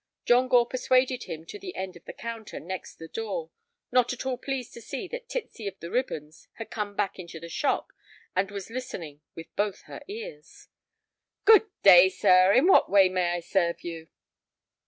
John Gore persuaded him to the end of the counter next the door, not at all pleased to see that Titsy of the ribbons had come back into the shop and was listening with both her ears. "Good day, sir. In what way may I serve you?"